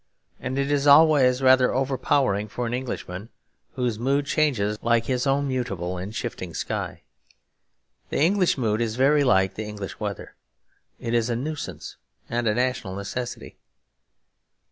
And it is always rather overpowering for an Englishman, whose mood changes like his own mutable and shifting sky. The English mood is very like the English weather; it is a nuisance and a national necessity.